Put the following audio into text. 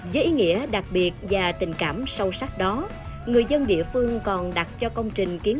với ý nghĩa đặc biệt và tình cảm sâu sắc đó người dân địa phương còn đặt cho công trình kiến